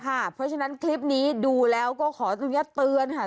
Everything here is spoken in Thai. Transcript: เพราะฉะนั้นคลิปนี้ดูแล้วก็ขออนุญาตเตือนค่ะ